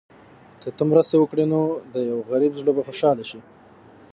که ته مرسته وکړې، نو د یو غریب زړه به خوشحاله شي.